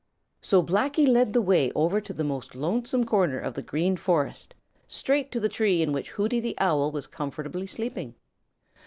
So Blacky led the way over to the most lonesome corner of the Green Forest, straight to the tree in which Hooty the Owl was comfortably sleeping.